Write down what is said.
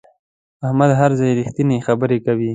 احمد هر ځای رښتینې خبره کوي.